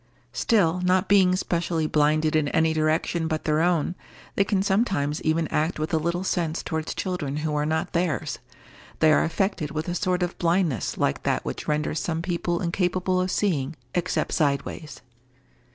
Still, not being specially blinded in any direction but their own, they can sometimes even act with a little sense towards children who are not theirs. They are affected with a sort of blindness like that which renders some people incapable of seeing, except sideways.